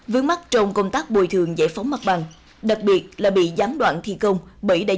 vướng mắt trong công tác bồi thường giải phóng mặt bằng đặc biệt là bị gián đoạn thi công bởi đã